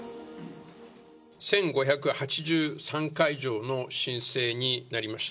１５８３会場の申請になりました。